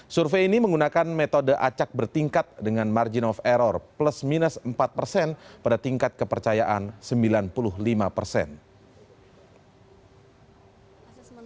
survei ini menggunakan metode acak bertingkat dengan margin of error plus minus empat persen pada tingkat kepercayaan sembilan puluh lima persen